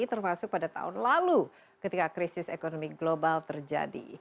termasuk pada tahun lalu ketika krisis ekonomi global terjadi